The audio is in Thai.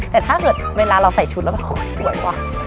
แต่ถ้าเกิดเวลาเราใส่ชุดแล้วมันคงสวยว่ะ